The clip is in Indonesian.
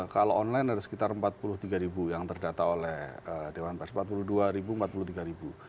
kalau online ada sekitar empat puluh tiga ribu yang terdata oleh dewan pers empat puluh dua ribu empat puluh tiga ribu